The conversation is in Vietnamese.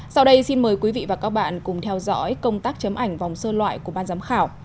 sau đây xin mời quý vị và các bạn cùng theo dõi công tác chấm ảnh vòng sơ loại của ban giám khảo